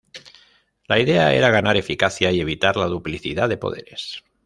La idea era ganar eficacia y evitar la duplicidad de poderes.